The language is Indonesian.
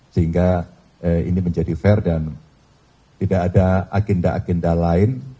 sehingga ini menjadi fair dan tidak ada agenda agenda lain